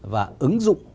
và ứng dụng